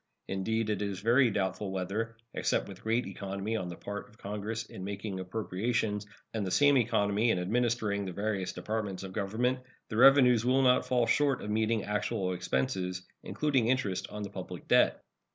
Indeed, it is very doubtful whether, except with great economy on the part of Congress in making appropriations and the same economy in administering the various Departments of Government, the revenues will not fall short of meeting actual expenses, including interest on the public debt.